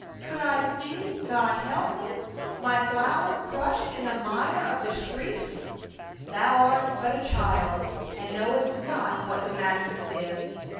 Could I see — God help me — my flower crushed in the mire of the streets ? Thou art but a child and knowest not what Damascus is.